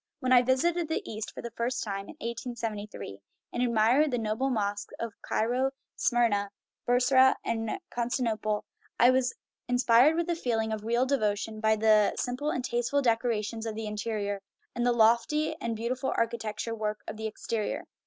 When I visited the East for the first time, in 1873, and admired the noble mosques of Cairo, Smyrna, Brussa, and Constantinople, I was inspired with a feel ing of real devotion by the simple and tasteful decora tion of the interior, and the lofty and beautiful archi tectural work of the exterior.